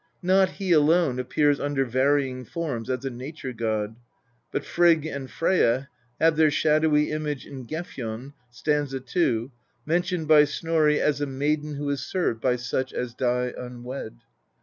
Not he alone appears under varying forms as a nature god, but Frigg and Freyja have their shadowy image in Gefjon (st. 2), mentioned by Snorri as a "maiden who is served by such as die unwed."